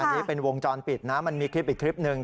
อันนี้เป็นวงจรปิดนะมันมีคลิปอีกคลิปหนึ่ง